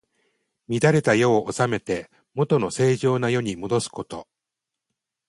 乱れた世を治めて、もとの正常な世にもどすこと。